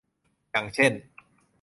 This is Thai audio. อย่างเช่น